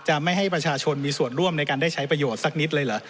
ไม่ให้ประชาชนมีส่วนร่วมในการได้ใช้ประโยชน์สักนิดเลยเหรอ